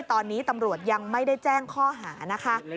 ตอนนี้ตำรวจยังไม่ได้แจ้งข้อหานะคะ